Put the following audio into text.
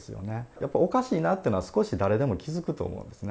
やっぱりおかしいなっていうのは少し、誰でも気付くと思うんですね。